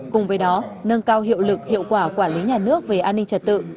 cùng với đó nâng cao hiệu lực hiệu quả quản lý nhà nước về an ninh trật tự